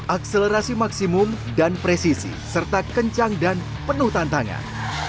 akselerasi maksimum dan presisi serta kencang dan penuh tantangan